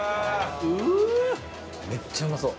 めっちゃうまそう！